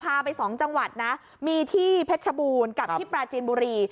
ไปสองจังหวัดนะมีที่เพชรบูรณ์กับที่ปราจีนบุรี